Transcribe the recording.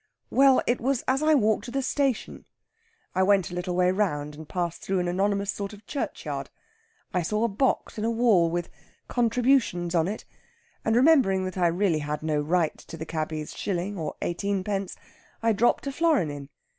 "Well, it was as I walked to the station. I went a little way round, and passed through an anonymous sort of a churchyard. I saw a box in a wall with 'Contributions' on it, and remembering that I really had no right to the cabby's shilling or eighteenpence, I dropped a florin in.